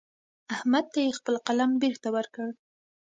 احمد ته يې خپل قلم بېرته ورکړ.